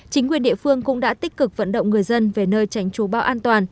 chính quyền địa phương cũng đã tích cực vận động người dân về nơi tránh trú bão an toàn